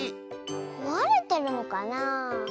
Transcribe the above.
こわれてるのかな？